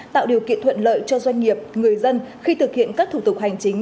tạo điều kiện thuận lợi cho doanh nghiệp người dân khi thực hiện các thủ tục hành chính